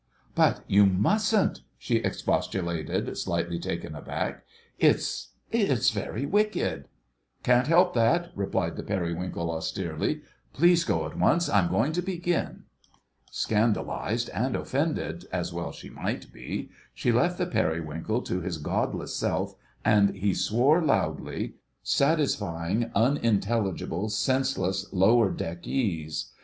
"But you mustn't," she expostulated, slightly taken aback. "It's—it's very wicked." "Can't help that," replied the Periwinkle austerely. "Please go at once; I'm going to begin." Scandalised and offended—as well she might be—she left the Periwinkle to his godless self, and he swore aloud—satisfying, unintelligible, senseless lower deckese.